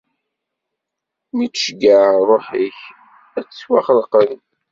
Mi d-tceyyɛeḍ ṛṛuḥ-ik, ad d-ttwaxelqen.